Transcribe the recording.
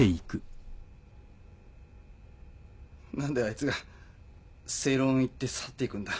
何であいつが正論を言って去っていくんだ。